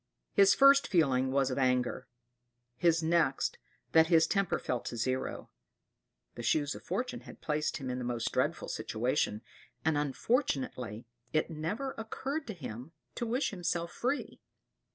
His first feeling was of anger; his next that his temper fell to zero. The Shoes of Fortune had placed him in the most dreadful situation; and, unfortunately, it never occurred to him to wish himself free.